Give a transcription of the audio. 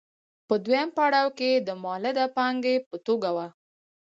په دویم پړاو کې د مولده پانګې په توګه وه